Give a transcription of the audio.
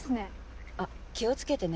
あっ気を付けてね。